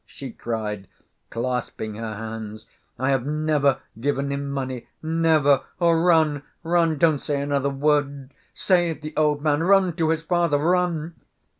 she cried, clasping her hands. "I have never given him money, never! Oh, run, run!... Don't say another word! Save the old man ... run to his father ... run!"